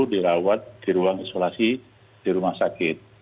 dirawat di ruang isolasi di rumah sakit